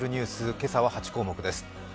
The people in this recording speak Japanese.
今朝は８項目です。